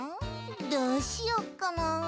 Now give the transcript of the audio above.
どうしよっかな。